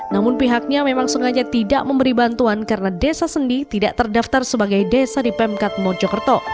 namun pihaknya memang sengaja tidak memberi bantuan karena desa sendi tidak terdaftar sebagai desa di pemkat mojokerto